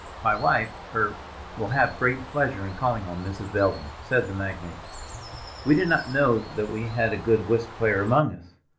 "My wife, er—will have great pleasure in calling on Mrs. Belden," said the magnate. "We did not know that we had a good whist player among us.